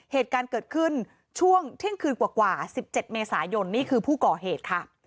เหตุการณ์เกิดขึ้นช่วงเที่ยงคืนกว่า๑๗เมษายนนี่คือผู้ก่อเหตุค่ะ